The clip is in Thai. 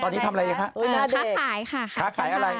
ตอนนี้ทำอะไรค่ะ